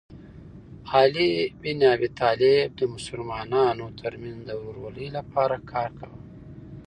علي بن ابي طالب د مسلمانانو ترمنځ د ورورولۍ لپاره کار کاوه.